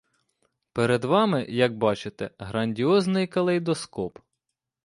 Перед вами, як бачите, грандіозний калейдоскоп.